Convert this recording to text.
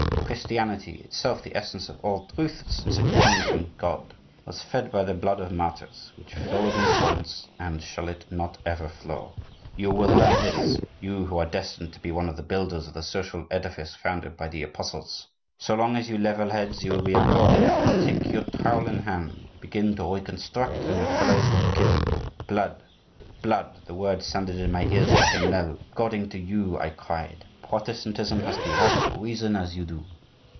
'Christianity, itself the essence of all truth, since it comes from God, was fed by the blood of martyrs, which flowed in torrents; and shall it not ever flow? You will learn this, you who are destined to be one of the builders of the social edifice founded by the Apostles. So long as you level heads you will be applauded, but take your trowel in hand, begin to reconstruct, and your fellows will kill you.' Blood! blood! the word sounded in my ears like a knell. 'According to you,' I cried, 'Protestantism has the right to reason as you do!